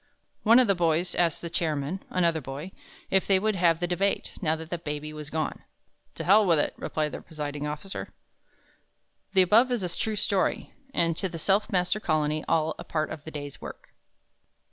One of the boys asked the Chairman another boy if they would have the Debate, now that the Baby was gone? "To hell with it," replied the Presiding Officer. The above is a true story, and to The Self Master Colony, all a part of the day's work.